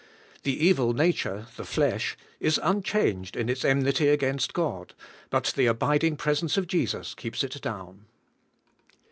The evil nature, the flesh, is unchanged in its enmity against God, but the abiding presence of Jesus keeps it down.